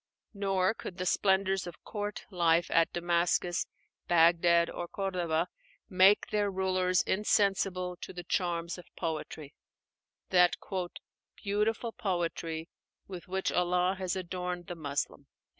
Nor could the splendors of court life at Damascus, Bagdad, or Cordova make their rulers insensible to the charms of poetry, that "beautiful poetry with which Allah has adorned the Muslim."